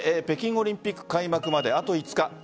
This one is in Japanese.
北京オリンピック開幕まであと５日。